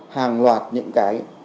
hàng loạt những cái